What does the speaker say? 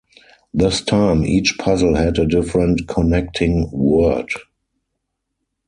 This time, each puzzle had a different connecting word.